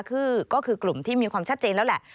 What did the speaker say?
คือก็คือกลุ่มที่มีความชัดเจนแล้วแหละ